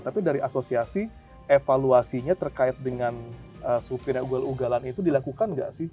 tapi dari asosiasi evaluasinya terkait dengan sopir yang ugal ugalan itu dilakukan gak sih